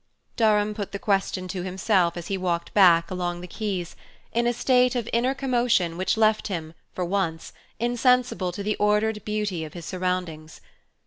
Durham put the question to himself as he walked back along the quays, in a state of inner commotion which left him, for once, insensible to the ordered beauty of his surroundings.